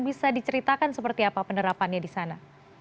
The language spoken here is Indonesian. bisa diceritakan seperti apa penerapannya di sana